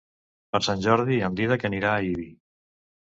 Per Sant Jordi en Dídac anirà a Ibi.